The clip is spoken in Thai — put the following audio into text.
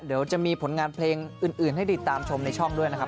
เดี๋ยวจะมีผลงานเพลงอื่นให้ติดตามชมในช่องด้วยนะครับ